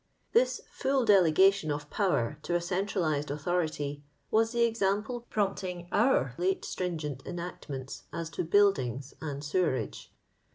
This full delegation of power to a centralised authority was the examjde prompting our late stringent enactments as to buildings and seweruj^e.